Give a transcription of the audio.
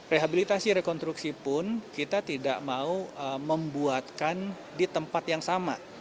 rehabilitasi rekonstruksi pun kita tidak mau membuatkan di tempat yang sama